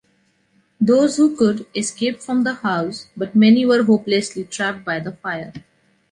Those who could, escaped from the house, but many were hopelessly trapped by the fire.